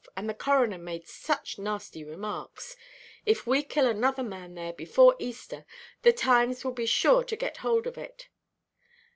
And the coroner made such nasty remarks. If we kill another man there before Easter, the Times will be sure to get hold of it.